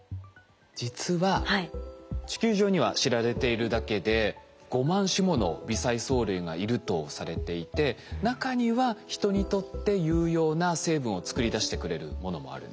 実は地球上には知られているだけで５万種もの微細藻類がいるとされていて中には人にとって有用な成分を作り出してくれるものもあるんです。